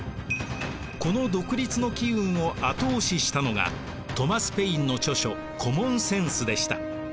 この独立の機運を後押ししたのがトマス・ペインの著書「コモン・センス」でした。